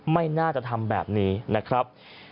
ไม่น่าจะทำแบบนี้นะครับ